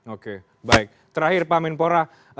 oke baik terakhir pak menpora